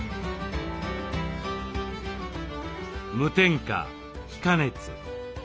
無添加非加熱。